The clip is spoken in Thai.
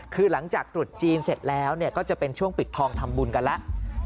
คือหลังจากตรุษจีนเสร็จแล้วก็จะเป็นช่วงปิดทองทำบุญกันแล้ว